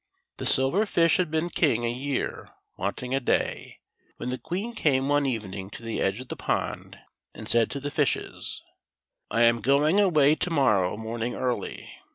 The Silver Fish had been king a year wanting a day, when the Queen came one evening to the edge of the pond and said to the fishes :'* I am going away to morrow morning early.